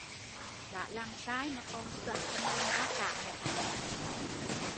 Đã làm sai mà còn choác mồm ra cãi